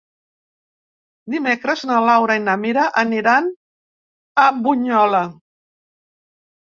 Dimecres na Laura i na Mira aniran a Bunyola.